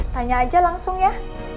tanya aja langsung ya